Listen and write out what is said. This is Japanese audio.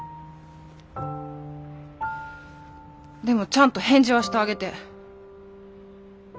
でもちゃんと返事はしてあげて。